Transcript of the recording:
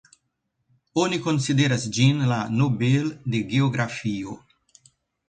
Oni konsideras ĝin la Nobel de geografio.